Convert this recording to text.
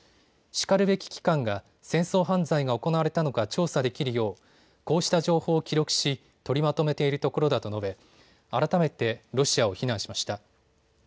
しかるべき機関が戦争犯罪が行われたのか調査できるようこうした情報を記録し取りまとめているところだと述べ改めてロシアを非難しました。